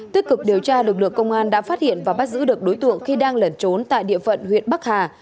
tích cực điều tra lực lượng công an đã phát hiện và bắt giữ được đối tượng khi đang lẩn trốn tại địa phận huyện bắc hà